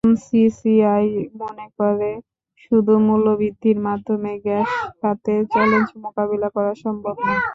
MCCI মনে করে, শুধু মূল্যবৃদ্ধির মাধ্যমে গ্যাস খাতের চ্যালেঞ্জ মোকাবিলা করা সম্ভব নয়।